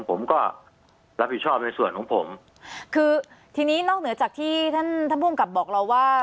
ผมก็รับผิดชอบในส่วนของผมคือทีนี้นอกเหนือจากที่ท่านท่านภูมิกับบอกเราว่า